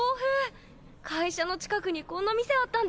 会社の近くにこんな店あったんですね。